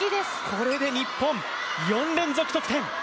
これで日本、４連続得点。